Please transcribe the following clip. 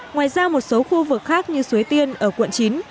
ngoài ra một số khu vực khác như suối tiên ở quận chín